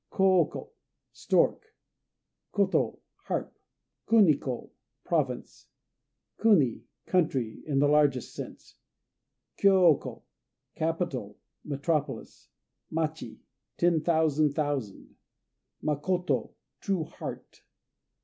Kô ko "Stork." Koto "Harp." Kuni ko "Province." Kuni "Country," in the largest sense. Kyô ko "Capital," metropolis. Machi "Ten Thousand Thousand." Makoto "True Heart."